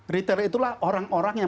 retail itulah orang orang yang